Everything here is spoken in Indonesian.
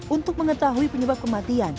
untuk mengetahui penyebab kematian